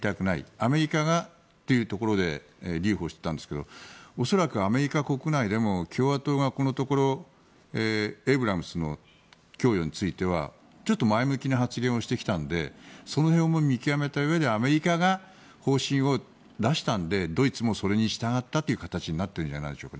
アメリカがというところで留保していたんですが恐らくアメリカ国内でも共和党がこのところエイブラムスの供与についてはちょっと前向きな発言をしてきたのでその辺も見極めたうえでアメリカが方針を出したのでドイツもそれに従ったという形になってるんじゃないでしょうか。